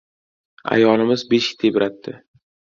Ayolimiz beshik tebratdi.